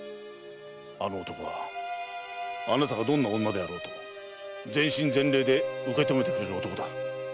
あの男はあなたがどんな女であろうと全身全霊で受けとめてくれる男だ。